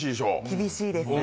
厳しいです。